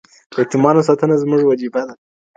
د يتيمانو ساتنه زموږ وجيبه ده.